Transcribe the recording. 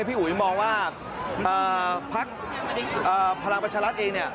พี่อุ๋ยมองว่าพลังประชารัฐเอง